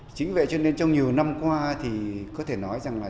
chính vậy cho nên trong nhiều năm qua thì có thể nói rằng là